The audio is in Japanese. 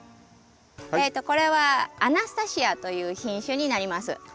えとこれはアナスタシアという品種になります。